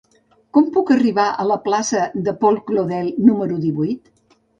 Com puc arribar a la plaça de Paul Claudel número divuit?